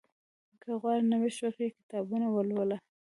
که غواړې نوښت وکړې، کتابونه ولوله.